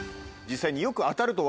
実際に。